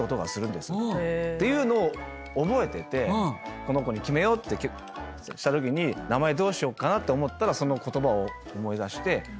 ていうのを覚えててこの子に決めようってときに名前どうしようかなって思ったらその言葉を思い出して。